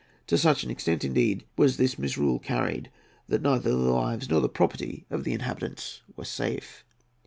To such an extent, indeed, wad this misrule carried that neither the lives nor the property of the inhabitants were safe."